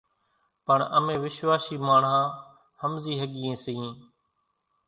پڻ امين وشواسي ماڻۿان ۿمزي ۿڳيئين سيئين،